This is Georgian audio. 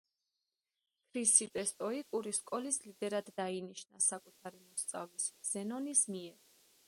ქრისიპე სტოიკური სკოლის ლიდერად დაინიშნა საკუთარი მოსწავლის, ზენონის მიერ.